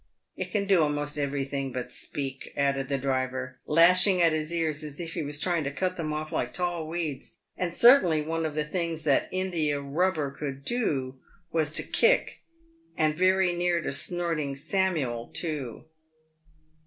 It can do a' most every think but speak," added the driver, lashing at its ears as if he was trying to cut them off like tall weeds, and certainly one of the things that India rubb8r could do, was to kick, and very near to Snorting Samuel too.